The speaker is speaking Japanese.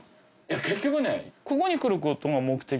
結局ね。